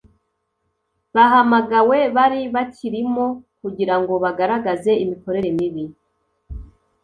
bahamagawe bari bakirimo kugira ngo bagaragaze imikorere mibi